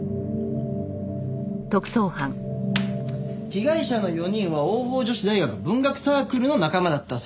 被害者の４人は桜朋女子大学文学サークルの仲間だったそうです。